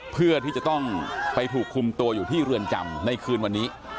เพื่อที่จะต้องไปถูกคุมตัวอยู่ที่เรือนจำในคืนวันนี้